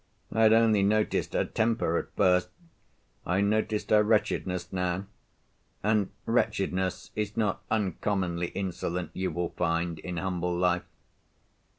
I had only noticed her temper at first. I noticed her wretchedness now—and wretchedness is not uncommonly insolent, you will find, in humble life.